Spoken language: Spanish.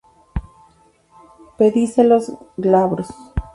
Pedicelos glabros.